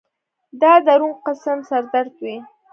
دا درون قسم سر درد وي